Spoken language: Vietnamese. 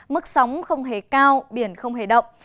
mức sóng không hề cao biển không hề động